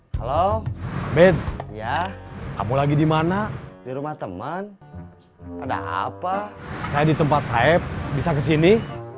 halo ben ya kamu lagi dimana di rumah teman ada apa saya di tempat saeb bisa kesini